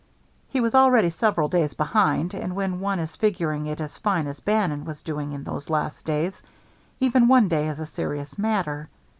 He was already several days behind, and when one is figuring it as fine as Bannon was doing in those last days, even one day is a serious matter.